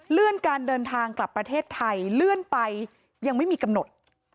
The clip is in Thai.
เลื่อนการเดินทางกลับประเทศไทยเดินไปยังไม่มีกำหนด